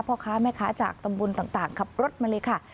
พ่อค้าแม่ค้าจากตำบลต่างขับรถมาเลยค่ะ